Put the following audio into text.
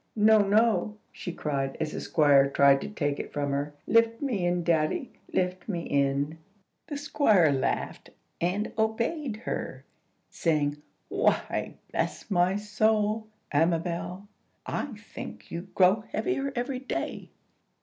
"No, no!" she cried, as the Squire tried to take it from her. "Lift me in, daddy, lift me in!" The Squire laughed, and obeyed her, saying, "Why, bless my soul, Amabel, I think you grow heavier every day."